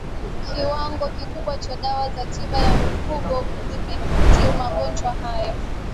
kiwango kikubwa cha dawa za tiba ya mifugo kudhibiti magonjwa haya